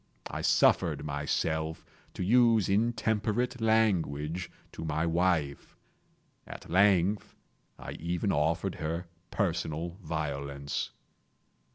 I suffered myself to use intemperate language to my wife. At length, I even offered her personal violence.